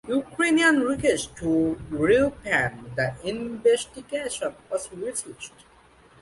A Ukrainian request to reopen the investigation was refused.